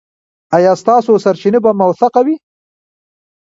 ایا ستاسو سرچینه به موثقه وي؟